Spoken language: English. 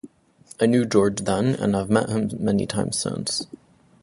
I knew George then and have met him many times since.